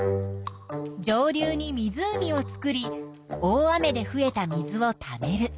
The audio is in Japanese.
上流に湖を作り大雨で増えた水をためる。